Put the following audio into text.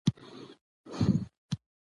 ځکه چې دا جوته ده